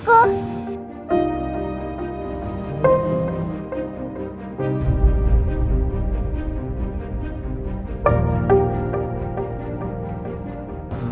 ini borang aku